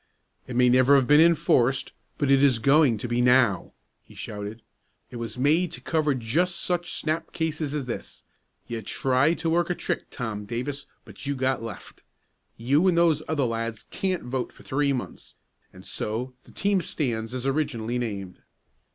"It may never have been enforced, but it's going to be now!" he shouted. "It was made to cover just such snap cases as this. You tried to work a trick, Tom Davis, but you got left. You and those other lads can't vote for three months, and so the team stands as originally named."